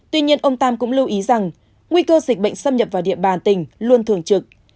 tuy nhiên ông tam cũng lưu ý rằng nguy cơ dịch bệnh xâm nhập vào địa bàn tỉnh luôn thường trực